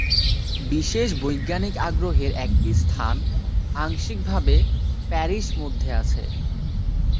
বিশেষ বৈজ্ঞানিক আগ্রহের একটি স্থান আংশিকভাবে প্যারিশ মধ্যে আছে।